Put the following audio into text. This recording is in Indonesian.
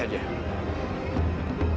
kalian berdua ke arah sana